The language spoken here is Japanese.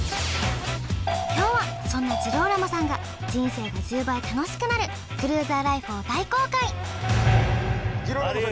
今日はそんなジローラモさんが人生が１０倍楽しくなるクルーザーライフを大公開ジローラモさん